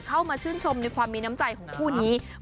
เข้ามาชื่นชมในความมีน้ำใจของคู่นี้